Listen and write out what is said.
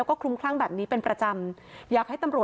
ขอบอบนี้คือต้องการอย่างอบไปบำพัด